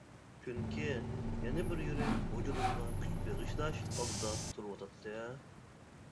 چۈنكى، يەنە بىر يۈرەك ۋۇجۇدۇمغا كۈچ بېغىشلاش ئالدىدا تۇرۇۋاتاتتى.